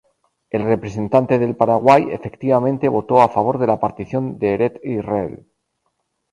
El representante del Paraguay efectivamente votó a favor de la partición de Eretz Israel.